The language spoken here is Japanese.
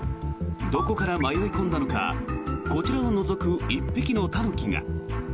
どこから迷い込んだのかこちらをのぞく１匹のタヌキが。